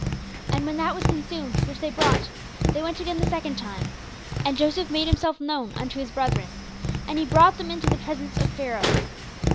And when that was consumed which they brought, they went again the second time; and Joseph made himself known unto his brethren, and he brought them into the presence of Pharaoh.